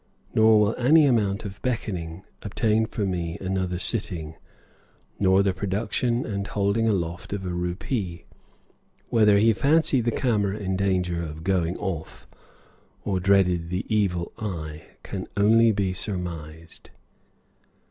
Nor will any amount of beckoning obtain for me another "sitting," nor the production and holding aloft of a rupee. Whether he fancied the camera in danger of going off, or dreaded the "evil eye," can only be surmised.